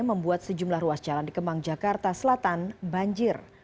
membuat sejumlah ruas jalan di kemang jakarta selatan banjir